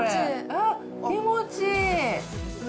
えっ、気持ちいい。